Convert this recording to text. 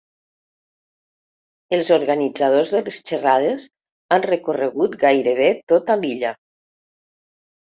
Els organitzadors de les xerrades han recorregut gairebé tota l'illa.